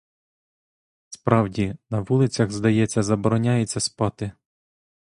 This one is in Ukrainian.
Справді, на вулицях, здається, забороняється спати.